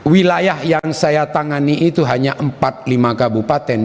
wilayah yang saya tangani itu hanya empat lima kabupaten